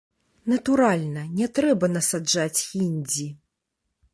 Натуральна, не трэба насаджаць хіндзі.